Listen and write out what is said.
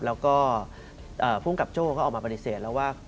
แล้วก็ภูมิกับโจ้ก็ออกมาปฏิเสธแล้วว่า